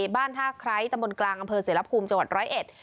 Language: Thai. บ้านท่าไคร้ตำบลกลางอำเภอเสรภูมิจังหวัดร้อยเอ็ด